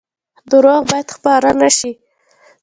دروغ باید خپاره نشي